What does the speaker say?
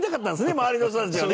周りの人たちはね。